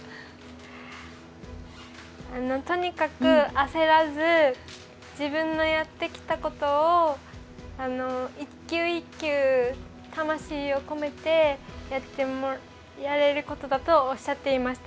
とにかく焦らず自分のやってきたことを１球１球魂を込めてやれることだとおっしゃっていました。